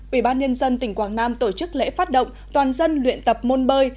ủy ban nhân dân tỉnh quảng nam tổ chức lễ phát động toàn dân luyện tập môn bơi